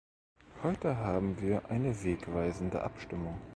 Heute haben wir eine wegweisende Abstimmung.